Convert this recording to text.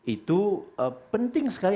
itu penting sekali